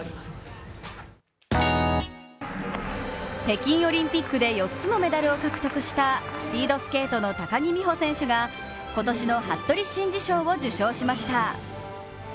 北京オリンピックで４つのメダルを獲得したスピードスケートの高木美帆選手が、今年の服部真二賞を受賞しました。